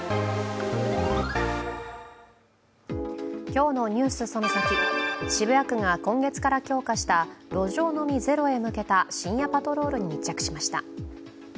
今日の「ＮＥＷＳそのサキ！」、渋谷区が今月から強化した路上飲みゼロへ向けた深夜パトロールに密着しました。